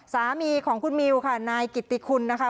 สามีของคุณมิวค่ะนายกิติคุณนะคะ